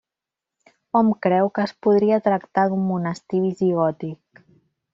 Hom creu que es podria tractar d'un monestir visigòtic.